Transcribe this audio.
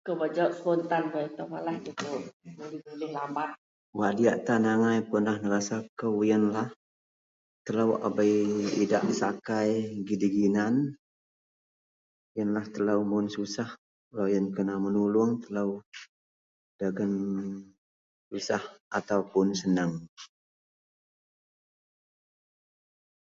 wak diyak tan angai pernah nerasa kou yenlah, telou a bei edak pesakai gidei ginan yenlah telou mun susah loyen kena menuluong telou dagen susah atau puun seneng